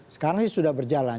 sekarang sudah berjalan